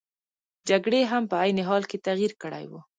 جګړې هم په عین حال کې تغیر کړی وو.